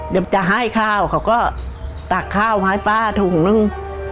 เดี๋ยวจะให้ข้าวเขาก็ตักข้าวให้ป้าถุงนึง